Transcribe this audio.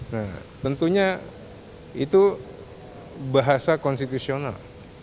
nah tentunya itu bahasa konstitusional